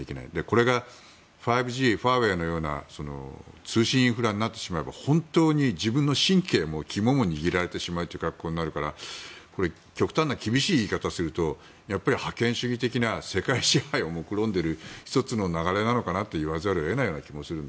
これが５Ｇファーウェイのような通信インフラになってしまえば本当に自分の神経も肝を握られてしまう格好になるからこれ、極端な厳しい言い方をすると覇権主義的な世界支配をもくろんでいる１つの流れなのかなと言わざるを得ない気もする。